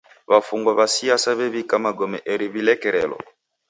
W'afungwa w'a siasa w'ew'ika magome eri w'ilekerelo.